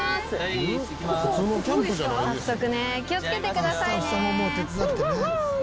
気をつけてくださいね。